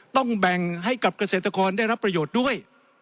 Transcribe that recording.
ต้องแบ่งให้กับเกษตรกรได้รับประโยชน์ด้วย